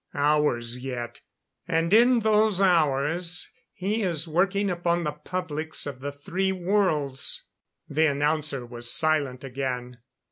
Hours yet. And in those hours, he is working upon the publics of the three worlds." The announcer was silent again.